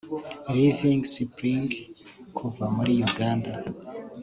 Living Spring kuva muri Uganda